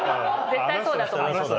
絶対そうだと思います。